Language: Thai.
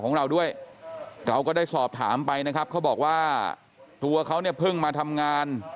ของเราด้วยเราก็ได้สอบถามไปนะครับเขาบอกว่าตัวเขาเนี่ยเพิ่งมาทำงาน